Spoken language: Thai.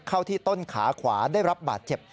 เข้าที่ต้นขาขวาได้รับบาดเจ็บ